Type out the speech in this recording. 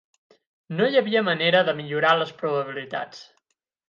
No hi havia manera de millorar les probabilitats.